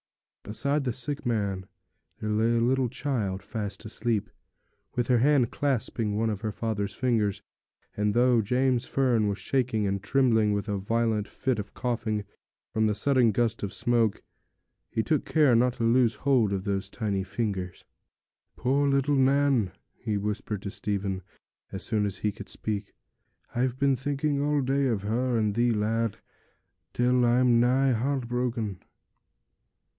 Beside the sick man there lay a little child fast asleep, with her hand clasping one of her father's fingers; and though James Fern was shaking and trembling with a violent fit of coughing from the sudden gust of smoke, he took care not to loose the hold of those tiny fingers. 'Poor little Nan!' he whispered to Stephen, as soon as he could speak. 'I've been thinking all day of her and thee, lad, till I'm nigh heart broken.'